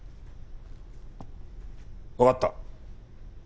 わかった。